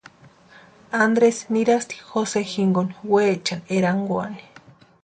Andresi nirasti Jose jinkoni weechani erankwani.